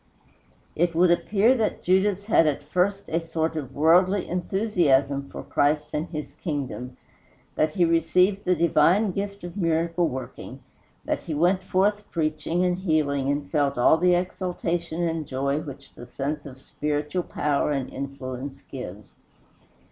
It would appear that Judas had at first a sort of worldly enthusiasm for Christ and his kingdom; that he received the divine gift of miracle working; that he went forth preaching and healing, and felt all the exultation and joy which the sense of spiritual power and influence gives.